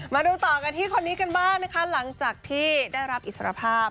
มาดูต่อกันที่คนนี้กันบ้างนะคะหลังจากที่ได้รับอิสรภาพ